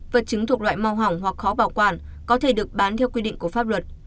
vật chứng thuộc loại mau hỏng hoặc khó bảo quản có thể được bán theo quy định của pháp luật